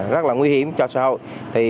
rất là nguy hiểm cho xã hội